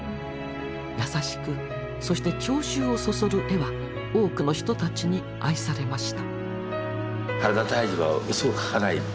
優しくそして郷愁をそそる絵は多くの人たちに愛されました。